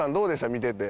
見てて。